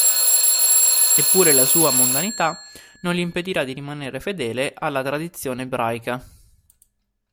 Eppure la sua mondanità non gli impedirà di rimanere fedele alla tradizione ebraica.